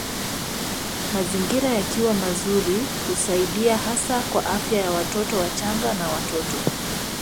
Mazingira yakiwa mazuri husaidia hasa kwa afya ya watoto wachanga na watoto